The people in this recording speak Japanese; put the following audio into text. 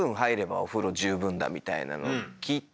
みたいなのを聞いて。